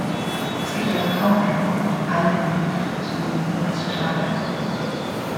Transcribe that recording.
Es gibt also kaum einen Grund, alle Iren dafür zu rühmen oder zu tadeln.